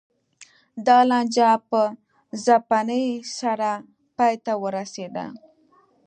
دا لانجه په ځپنې سره پای ته ورسېده.